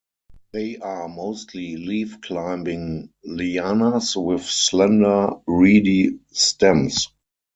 They are mostly leaf-climbing lianas with slender, reedy stems.